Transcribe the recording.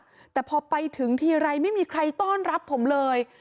แต่พอไปถึงทีไรไม่มีใครต้อนรับผมเลย